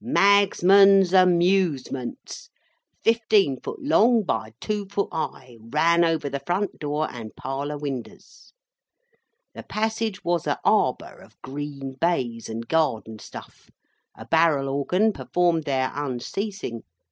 "MAGSMAN'S AMUSEMENTS," fifteen foot long by two foot high, ran over the front door and parlour winders. The passage was a Arbour of green baize and gardenstuff. A barrel organ performed there unceasing.